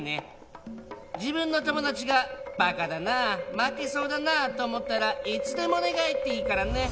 自分の友達が馬鹿だな負けそうだなと思ったらいつでも寝返っていいからね。